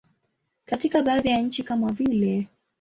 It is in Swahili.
Katika baadhi ya nchi kama vile.